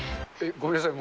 ごめんなさい。